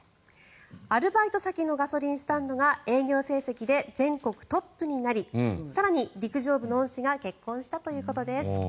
アルバイト先のガソリンスタンドが営業成績で全国トップになり更に、陸上部の恩師が結婚したということです。